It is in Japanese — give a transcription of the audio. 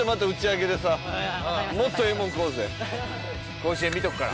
甲子園見とくから。